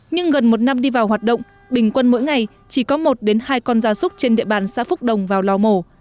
nhưng gần một năm đi vào hoạt động bình quân mỗi ngày chỉ có một hai con gia súc trên địa bàn xã phúc đồng vào lò mổ